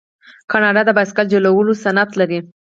کاناډا د بایسکل جوړولو صنعت لري.